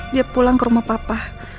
dia pulang ke rumah papa